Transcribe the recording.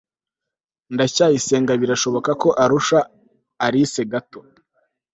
ndacyayisenga birashoboka ko arusha alice gato